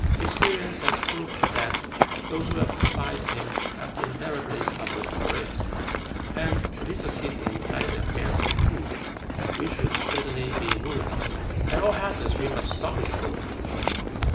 Experience has proved that those who have despised him have invariably suffered for it, and, should he succeed in guiding the affairs of Ts'oo, we should certainly be ruined. At all hazards we must stop his going."